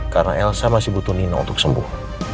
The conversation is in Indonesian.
karena elsa masih butuh nino untuk sembuh